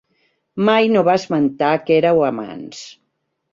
Mai no va esmentar que éreu amants.